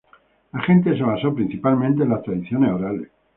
La gente se basó principalmente en las tradiciones orales.